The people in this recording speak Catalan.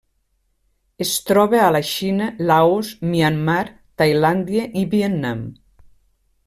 Es troba a la Xina, Laos, Myanmar, Tailàndia, i Vietnam.